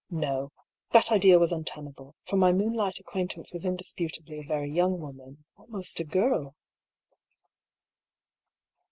No ! that idea was untenable, for my moonlight acquaintance was indisputably a very young woman, almost a girl.